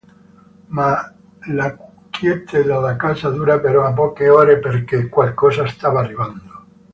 Ma la quiete della casa dura però poche ore, perché "qualcosa stava arrivando".